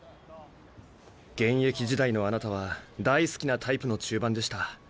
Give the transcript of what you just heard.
現役時代のあなたは大好きなタイプの中盤でした。